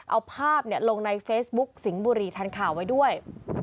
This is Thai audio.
เอาภาพลงในเฟซบุ๊กสิงห์บุรีทันข่าวไว้ด้วย